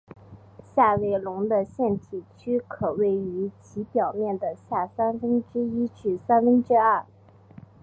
下位笼的腺体区可位于其内表面的下三分之一至三分之二。